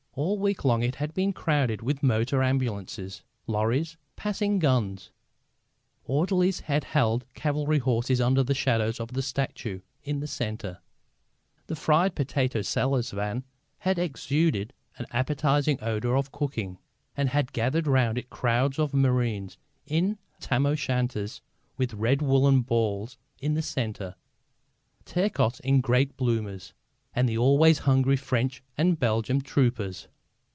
All week long it had been crowded with motor ambulances, lorries, passing guns. Orderlies had held cavalry horses under the shadow of the statue in the centre. The fried potato seller's van had exuded an appetising odour of cooking, and had gathered round it crowds of marines in tam o' shanters with red woollen balls in the centre, Turcos in great bloomers, and the always hungry French and Belgian troopers.